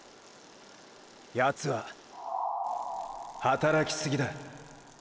ヤツは“働きすぎ”だ。